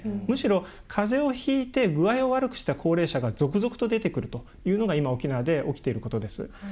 むしろ、かぜをひいて具合を悪くした高齢者が続々と出てくるということが今、沖縄で起きていることです。